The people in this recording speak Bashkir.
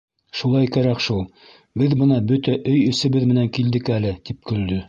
Шулай кәрәк шул, беҙ бына бөтә өй эсебеҙ менән килдек әле, - тип көлдө.